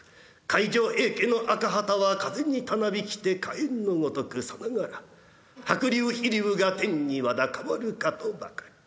海上平家の赤旗は風にたなびきて火炎のごとくさながら白龍火龍が天にわだかまるかとばかり。